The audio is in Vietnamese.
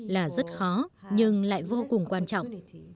là rất khó nhưng lại vô cùng quan trọng